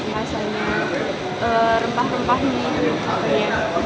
rasanya rempah rempah ini